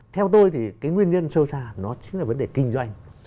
theo tôi thì cái nguyên nhân sâu xa nó chính là vấn đề kinh doanh